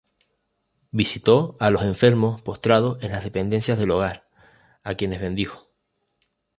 Visitó a los enfermos postrados en las dependencias del Hogar, a quienes bendijo.